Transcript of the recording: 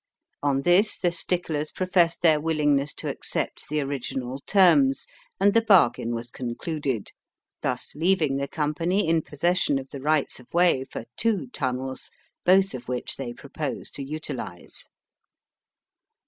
On this the sticklers professed their willingness to accept the original terms, and the bargain was concluded, thus leaving the Company in possession of the rights of way for two tunnels, both of which they propose to utilise.